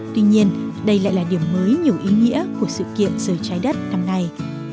tuy nhiên đây lại là điểm mới nhiều ý nghĩa của sự kiện giờ trái đất năm nay